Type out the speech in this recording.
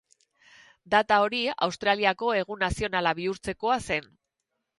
Data hori Australiako egun nazionala bihurtzekoa zen.